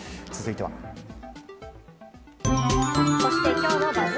続いては。